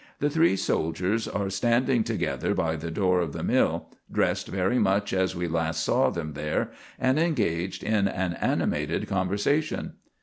The three soldiers are standing together by the door of the mill, dressed very much as we last saw them there, and engaged in an animated conversation.